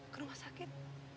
ke rumah sakit